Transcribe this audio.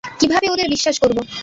কীভাবে ওদের বিশ্বাস করাবো?